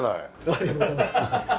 ありがとうございます。